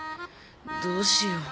どうしよう。